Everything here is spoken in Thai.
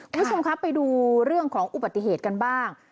คุณผู้ชมครับไปดูเรื่องของอุบัติเหตุกันบ้าง